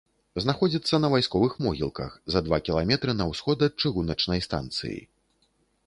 Знаходзіцца на вайсковых могілках, за два кіламетры на ўсход ад чыгуначнай станцыі.